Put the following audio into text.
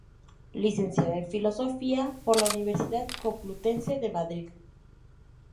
Licenciada en Filosofía por la Universidad Complutense de Madrid.